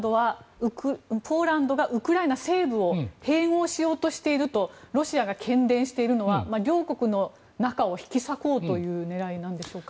ポーランドがウクライナ西部を併合しようとしているとロシアが喧伝しているのは両国の中を引き裂こうという狙いなんでしょうか。